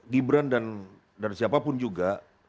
gibran dan siapapun juga